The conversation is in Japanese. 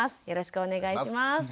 よろしくお願いします。